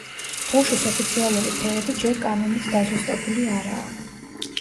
დროშის ოფიციალური ფერები ჯერ კანონით დაზუსტებული არაა.